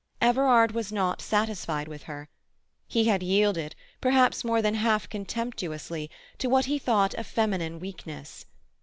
Everard was not satisfied with her. He had yielded, perhaps more than half contemptuously, to what he thought a feminine weakness.